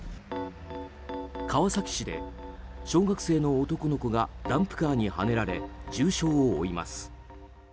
川崎市で小学生の男の子がダンプカーにはねられ重傷を負います。